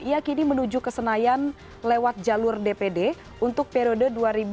ia kini menuju kesenayan lewat jalur dpd untuk periode dua ribu sembilan belas dua ribu dua puluh empat